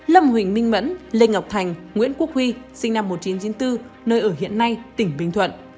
lâm huỳnh minh mẫn lê ngọc thành nguyễn quốc huy sinh năm một nghìn chín trăm chín mươi bốn nơi ở hiện nay tỉnh bình thuận